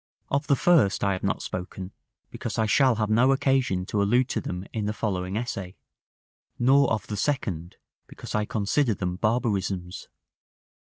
Of the first I have not spoken, because I shall have no occasion to allude to them in the following essay; nor of the second, because I consider them barbarisms.